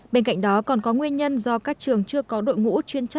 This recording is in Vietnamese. bên cạnh đó còn có nguyên nhân do các trường chưa có đội phụ huynh